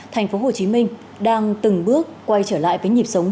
thành phố hồ chí minh đang từng bước quay trở lại với các nơi khác